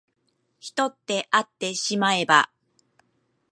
人ってあってしまえば